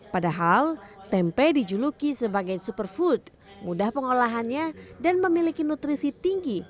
padahal tempe dijuluki sebagai superfood mudah pengolahannya dan memiliki nutrisi tinggi